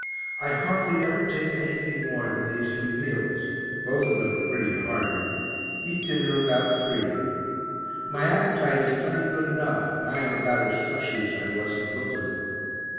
I hardly ever take any thing more than these two meals, both of them are pretty hearty eat dinner about 3 my appetite is plenty good enough, and I am about as fleshy as I was in Brooklyn.